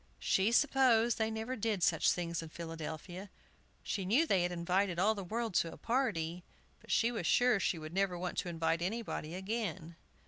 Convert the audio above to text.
She supposed they never did such things in Philadelphia; she knew they had invited all the world to a party, but she was sure she would never want to invite anybody again.